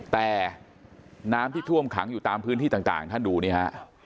แต่น้ำที่ท่วมขังอยู่ตามพื้นที่ต่างท่านดูนี่ฮะ